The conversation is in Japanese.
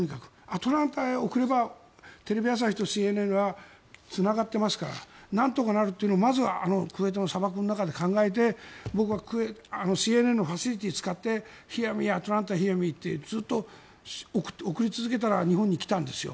アトランタへ送ればテレビ朝日とＣＮＮはつながっていますからなんとかなるとまずクウェートの砂漠の中で考えて僕はＣＮＮのファシリティーにアトランタ・ヒア・ミーとずっと送り続けたら日本に来たんです。